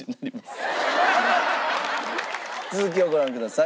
続きをご覧ください。